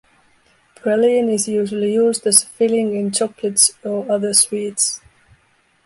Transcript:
Praline is usually used as a filling in chocolates or other sweets.